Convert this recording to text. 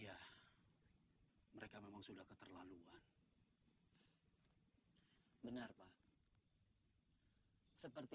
iya mereka memang suka beribadah dan berkata bapak iya mereka memang suka beribadah dan menumpang beribadah